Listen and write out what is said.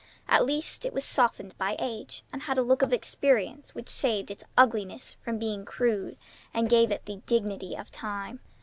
At least it was softened by age, and had a look of experience which saved its ugliness from being crude, and gave it the dignity of time.